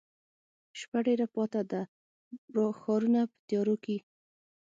شپه ډېره پاته ده ښارونه په تیاروکې،